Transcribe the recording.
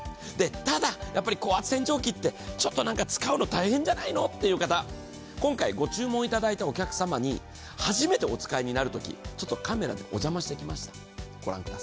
ただ高圧洗浄機ってちょっと使うの大変じゃないの？という方、今回ご注文いただいたお客様に、初めてお使いになるとき、ちょっとカメラでお邪魔してきました。